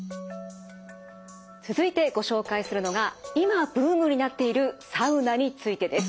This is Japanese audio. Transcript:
続いてご紹介するのが今ブームになっているサウナについてです。